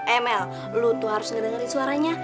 emel lu tuh harus ngedengerin suaranya